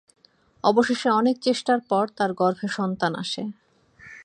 অবশেষে অনেক চেষ্টার পর তার গর্ভে সন্তান আসে।